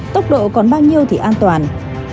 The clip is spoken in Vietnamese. tốc độ còn bao nhiêu thì an toàn